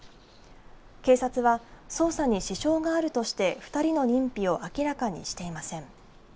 警察は捜査に支障があるとして２人の認否を明らかにしていません。